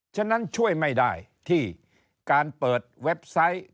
ฉะนั้นช่วยไม่ได้ที่การเปิดเว็บไซต์